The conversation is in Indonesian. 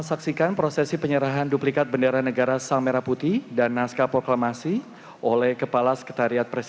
lapor pengambilan sang merah putih dan teks proklamasi siap